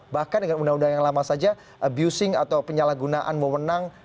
bahkan dengan undang undang yang lama saja abusing atau penyalahgunaan mewenang